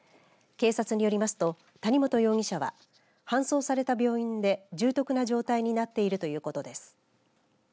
警察によりますと谷本容疑者は搬送された病院で重篤な状態になっているということです。